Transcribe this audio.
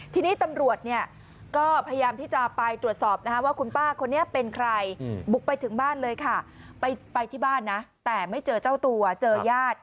ทีนี้ตำรวจเนี่ยก็พยายามที่จะไปตรวจสอบว่าคุณป้าคนนี้เป็นใครบุกไปถึงบ้านเลยค่ะไปที่บ้านนะแต่ไม่เจอเจ้าตัวเจอญาติ